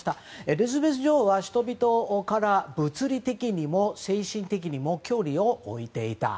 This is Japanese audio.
エリザベス女王は人々から物理的にも精神的にも距離を置いていた。